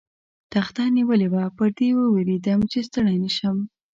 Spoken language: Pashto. تخته نیولې وه، پر دې وېرېدم، چې ستړی نه شم.